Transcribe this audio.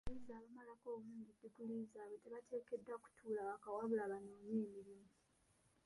Abayizi abamalako obulungi ddiguli zaabwe tebateekeddwa kutuula waka wabula banoonye emirimu.